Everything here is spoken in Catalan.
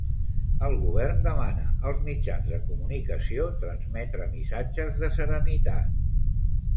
El Govern demana als mitjans de comunicació transmetre missatges de serenitat.